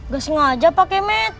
ga sengaja pak kemet